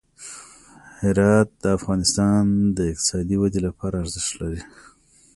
هرات د افغانستان د اقتصادي ودې لپاره ارزښت لري.